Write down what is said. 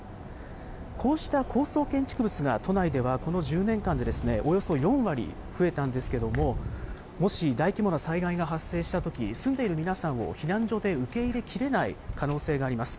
こうした高層建築物が、都内ではこの１０年間でおよそ４割増えたんですけども、もし、大規模な災害が発生したとき、住んでいる皆さんを避難所で受け入れきれない可能性があります。